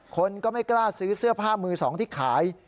คนก็ไม่กล้าซื้อเสื้อผ้ามือสองที่ขาย